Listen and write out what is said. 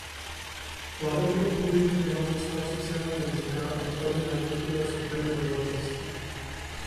Vláda bude průběžně vyhodnocovat sociální rizika a dopady na jednotlivé skupiny obyvatelstva.